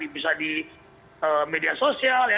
bisa di media sosial ya